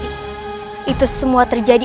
kepada saat yang terjadi